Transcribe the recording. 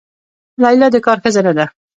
لیلا د کار ښځه نه ده.